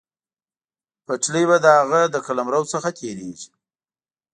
پټلۍ به د هغه له قلمرو څخه تېرېږي.